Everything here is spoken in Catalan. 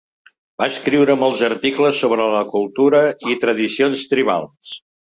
Va escriure molts articles sobre cultura i tradicions tribals.